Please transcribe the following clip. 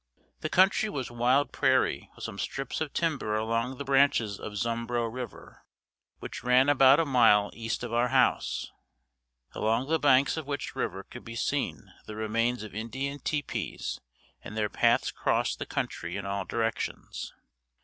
The country was wild prairie with some strips of timber along the branches of Zumbro River, which ran about a mile east of our house, along the banks of which river could be seen the remains of Indian tepees and their paths crossed the country in all directions.